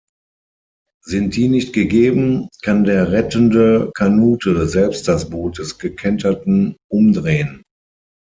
Sind die nicht gegeben, kann der rettende Kanute selbst das Boot des Gekenterten umdrehen.